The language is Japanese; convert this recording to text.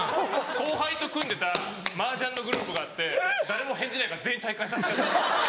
後輩と組んでた麻雀のグループがあって誰も返事ないから全員退会させたんです。